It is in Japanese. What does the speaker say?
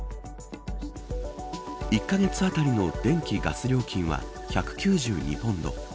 １カ月あたりの電気ガス料金は１９２ポンド。